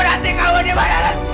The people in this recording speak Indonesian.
rantik kamu dimana